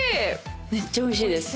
めっちゃおいしいです。